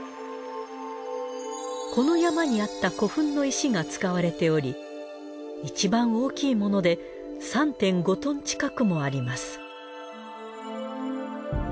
この山にあった古墳の石が使われておりいちばん大きいもので３．５トン近くもあります。